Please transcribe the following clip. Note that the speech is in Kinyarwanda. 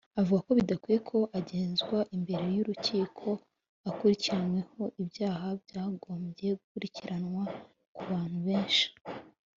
Avuga ko bidakwiye ko agezwa imbere y’urukiko akurikiranyweho ibyaha byagombye gukurikiranwa ku bantu benshi